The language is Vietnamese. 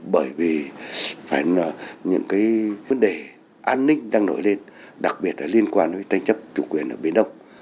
bởi vì phải là những cái vấn đề an ninh đang nổi lên đặc biệt là liên quan đến tranh chấp chủ quyền ở biển đông